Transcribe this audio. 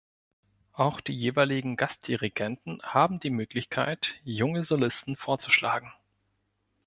Auch die jeweiligen Gastdirigenten haben die Möglichkeit, junge Solisten vorzuschlagen.